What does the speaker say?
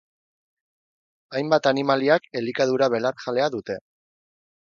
Hainbat animaliak elikadura belarjalea dute.